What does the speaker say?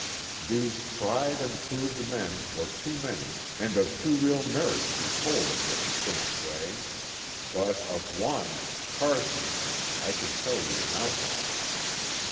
These tried and proved men were too many and of too real merit to be told of in this scant way ; but of one, Carson, I can tell you an outline.